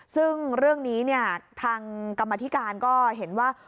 ซึ่งเรื่องนี้เนี่ยทางกรรมธิการก็เห็นว่า